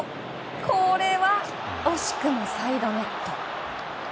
これは、惜しくもサイドネット。